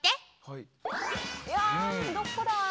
いやんどこだ？